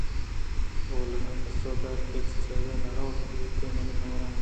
اولگاءَ پسو دات آ ہچ جاگہ نہ روت ایوک منی ہمراہ اِنت